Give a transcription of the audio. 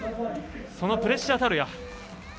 そのプレッシャーたるや。